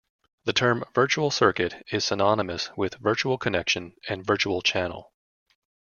The term virtual circuit is synonymous with virtual connection and virtual channel.